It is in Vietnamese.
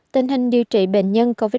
tình hình điều trị bệnh nhân covid một mươi chín